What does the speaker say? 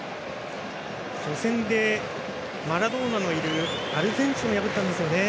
初戦でマラドーナのいるアルゼンチンを破ったんですよね。